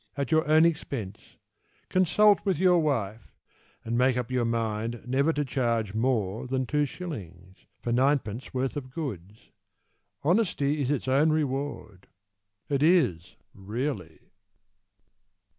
At your own expense, Consult with your wife, And make up your mind Never to charge More than 2s. For 9d. worth of goods. Honesty is its own reward It is really.